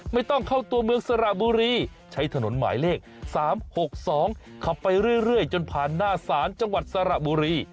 ไม่ต้องเข้าตัวเมืองสระบุรีใช้ถนนหมายเลข๓๖๒ขับไปเรื่อยจนผ่านหน้าศาลจังหวัดสระบุรี